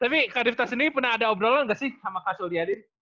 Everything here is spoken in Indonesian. tapi kadif tasim ini pernah ada obrolan nggak sih sama kasul yadin